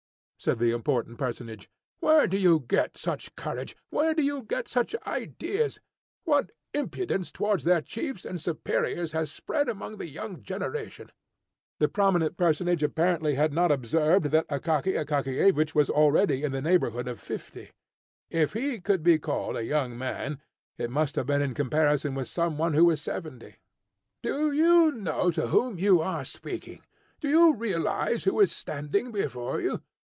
said the important personage. "Where did you get such courage? Where did you get such ideas? What impudence towards their chiefs and superiors has spread among the young generation!" The prominent personage apparently had not observed that Akaky Akakiyevich was already in the neighbourhood of fifty. If he could be called a young man, it must have been in comparison with some one who was seventy. "Do you know to whom you are speaking? Do you realise who is standing before you?